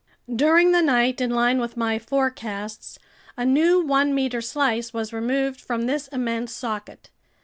During the night, in line with my forecasts, a new one meter slice was removed from this immense socket.